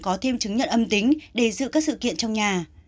có thêm chứng nhận âm tính để giữ các sự kiện trong nhà